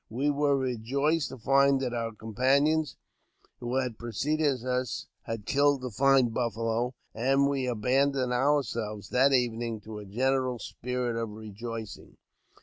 We were rejoiced to find that our companions who had preceded us had killed a fine buffalo, and we abandoned ourselves that evening to a general spirit of rejoicing.